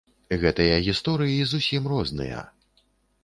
Гэтыя гісторыі зусім розныя.